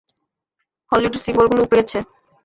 হলিউডের সিম্বলগুলো উপড়ে গেছে!